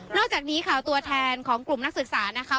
อกจากนี้ค่ะตัวแทนของกลุ่มนักศึกษานะคะ